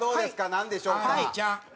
なんでしょうか？